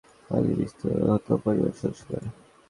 বর্ষায় ঘরের চালের ফুটো দিয়ে পড়া পানিতে ভিজতে হতো পরিবারের সদস্যদের।